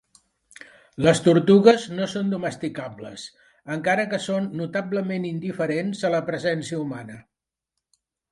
Les tortugues no són domesticables, encara que són notablement indiferents a la presència humana.